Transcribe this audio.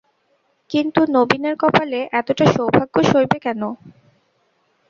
কিন্তু নবীনের কপালে এতটা সৌভাগ্য সইবে কেন?